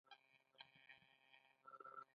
له زمونږ دفتر یې مننه وکړه.